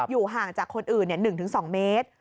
ห่างจากคนอื่น๑๒เมตร